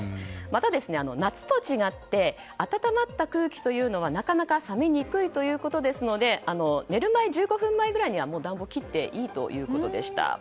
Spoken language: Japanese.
また、夏と違って暖まった空気というのはなかなか冷めにくいということですので寝る１５分前ぐらいにはもう暖房を切っていいということでした。